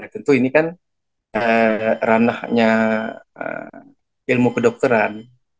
tentu ini kan ranahnya ilmu kedokteran